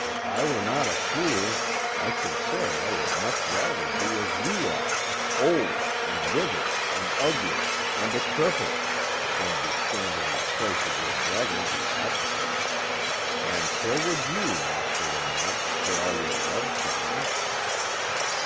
"If I were not a fool, I should say I would much rather be as you are, old, and withered, and ugly, and a cripple, than be standing in the place of your brother the Advocate. And so would you, Master Lamont, for all your love songs."